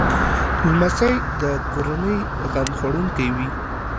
لمسی د کورنۍ غم خوړونکی وي.